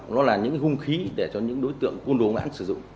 nó là những hung khí để cho những đối tượng quân đồ ngãn sử dụng